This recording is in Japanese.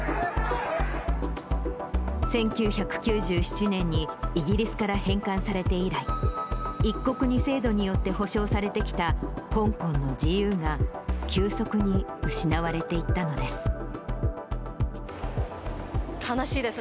１９９７年にイギリスから返還されて以来、一国二制度によって保障されてきた香港の自由が、急速に失われて悲しいです。